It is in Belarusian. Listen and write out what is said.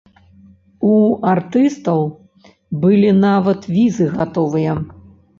У артыстаў былі нават візы гатовыя.